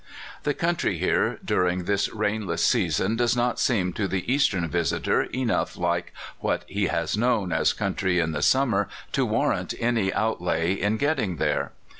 The country here during this rainless season does not seem to the Eastern visitor enough like what he has known as country in the summer tc warrant any outlay in getting there.